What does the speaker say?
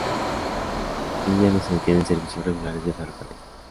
Allí ya no se detienen servicios regulares de ferrocarril.